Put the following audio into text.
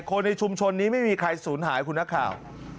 คนในชุมชนนี้ไม่มีใครสูญหายคุณนักข่าว